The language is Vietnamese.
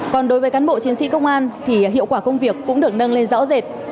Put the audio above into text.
còn đối với cán bộ chiến sĩ công an thì hiệu quả công việc cũng được nâng lên rõ rệt